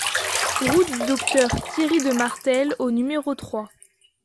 Route du Docteur Thierry de Martel au numéro trois